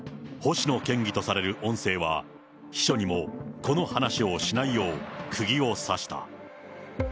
星野県議とされる音声は、秘書にもこの話をしないよう、くぎを刺した。